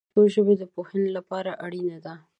واورئ برخه د پښتو ژبې د پوهې لپاره اړینه ده.